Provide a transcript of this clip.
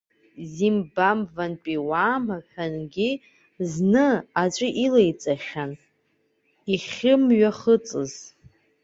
Зимбабвантәи уаама ҳәагьы зны аҵәы илоуҵахьан, иахьаамҩахыҵыз.